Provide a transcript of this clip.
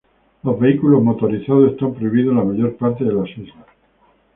Los vehículos motorizados están prohibidos en la mayor parte de las islas.